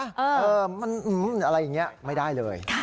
อะไรอย่างนี้ไม่ได้เลย